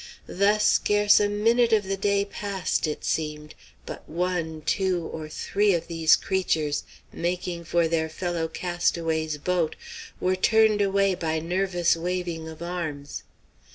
Thus scarce a minute of the day passed, it seemed, but one, two, or three of these creatures, making for their fellow castaway's boat, were turned away by nervous waving of arms.